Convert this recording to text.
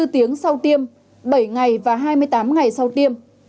hai mươi tiếng sau tiêm bảy ngày và hai mươi tám ngày sau tiêm